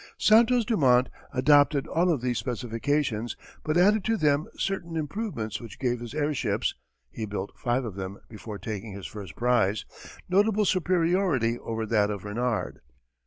Santos Dumont adopted all of these specifications, but added to them certain improvements which gave his airships he built five of them before taking his first prize notable superiority over that of Renard.